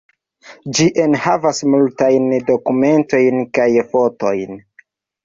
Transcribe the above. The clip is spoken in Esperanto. Ĝi enhavas multajn dokumentojn kaj fotojn.